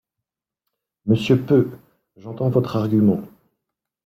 Monsieur Peu, j’entends votre argument.